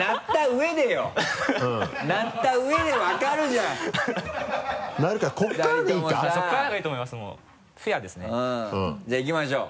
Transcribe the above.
うんじゃあいきましょう。